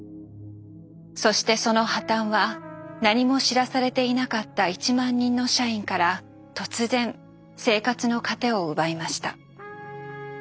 そしてその破たんは何も知らされていなかった１万人の社員から突然生活の糧を奪いました。